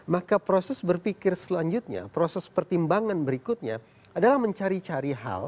maka proses berpikir selanjutnya proses pertimbangan berikutnya adalah mencari cari hal